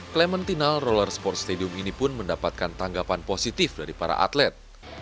clementinal roller sports stadium ini pun mendapatkan tanggapan positif dari para atlet